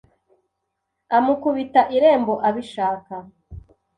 Amukubita irembo abishaka